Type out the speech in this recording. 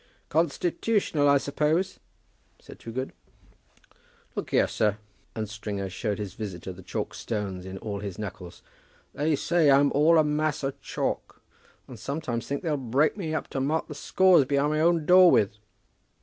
"Constitutional, I suppose?" said Toogood. "Look here, sir;" and Mr. Stringer shewed his visitor the chalk stones in all his knuckles. "They say I'm all a mass of chalk. I sometimes think they'll break me up to mark the scores behind my own door with."